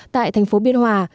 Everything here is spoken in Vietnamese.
tại thành phố biên hòa